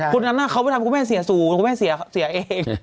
คนนั้นอ่ะเขาถามคุณแม่เสียสู่แล้วแม่น่ะเสียเอง